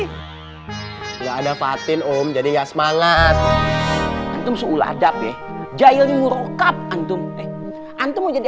enggak ada fatin om jadi enggak semangat antum seulah dapet jahilnya ngerokap antum antum mau jadi